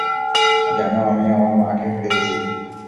জানো, আমিও আমার মা-কে হারিয়েছি।